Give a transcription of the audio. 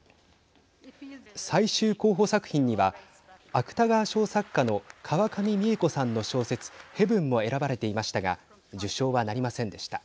最終候補作品には芥川賞作家の川上未映子さんの小説ヘヴンも選ばれていましたが受賞はなりませんでした。